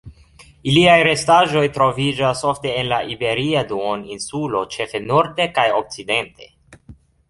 Iliaj restaĵoj troviĝas ofte en la Iberia Duoninsulo ĉefe norde kaj okcidente.